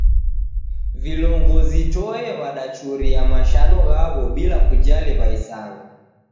Vilongozi toe w'adachuria mashano ghaw'o bila kujali w'aisanga!